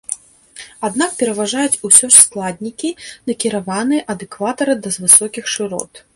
Аднак пераважаюць ўсё ж складнікі, накіраваныя ад экватара да высокіх шырот.